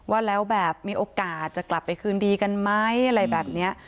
ว่าแล้วแบบมีโอกาสจะกลับไปคืนดีกันไหม